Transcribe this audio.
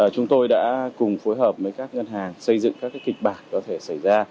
chúng tôi đã cùng phối hợp với các ngân hàng xây dựng các kịch bản có thể xảy ra